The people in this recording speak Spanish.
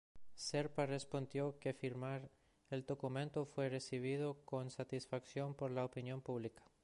Serpa respondió que firmar el documento fue recibido con 'satisfacción por la opinión pública'.